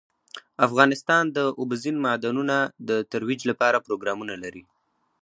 افغانستان د اوبزین معدنونه د ترویج لپاره پروګرامونه لري.